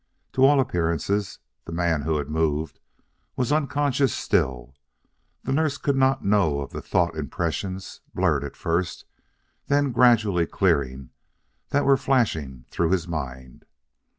To all appearances the man who had moved was unconscious still; the nurse could not know of the thought impressions, blurred at first, then gradually clearing, that were flashing through his mind.